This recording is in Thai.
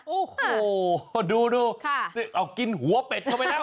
โอ้โหดูเอากินหัวเป็ดเข้าไปแล้ว